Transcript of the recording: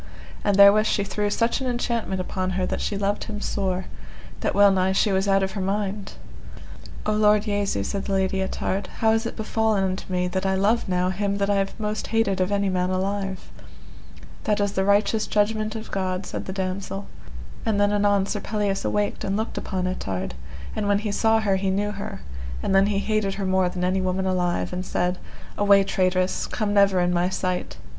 And therewith she threw such an enchantment upon her that she loved him sore, that well nigh she was out of her mind. O Lord Jesu, said the Lady Ettard, how is it befallen unto me that I love now him that I have most hated of any man alive? That is the righteous judgment of God, said the damosel. And then anon Sir Pelleas awaked and looked upon Ettard; and when he saw her he knew her, and then he hated her more than any woman alive, and said: Away, traitress, come never in my sight.